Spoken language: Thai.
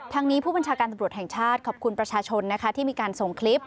ทางนี้ผู้บัญชาการตำรวจแห่งชาติขอบคุณประชาชนนะคะที่มีการส่งคลิป